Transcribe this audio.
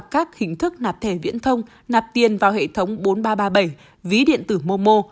các hình thức nạp thẻ viễn thông nạp tiền vào hệ thống bốn nghìn ba trăm ba mươi bảy ví điện tử momo